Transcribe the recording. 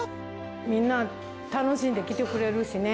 みんな楽しんで来てくれるしね。